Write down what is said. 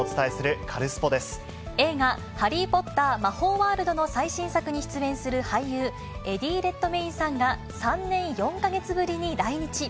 映画、ハリー・ポッター魔法ワールドの最新作に出演する俳優、エディ・レッドメインさんが３年４か月ぶりに来日。